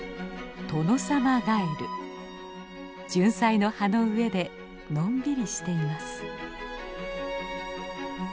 ジュンサイの葉の上でのんびりしています。